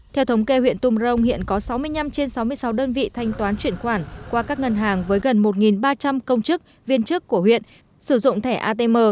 theo thống kê huyện tumrong hiện có sáu mươi năm trên sáu mươi sáu đơn vị thanh toán chuyển khoản qua các ngân hàng với gần một ba trăm linh công chức viên chức của huyện sử dụng thẻ atm